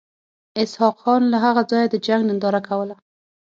اسحق خان له هغه ځایه د جنګ ننداره کوله.